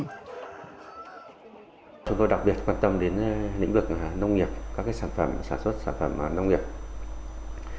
chúng tôi đặc biệt quan tâm đến lĩnh vực nông nghiệp các sản xuất sản phẩm nông nghiệp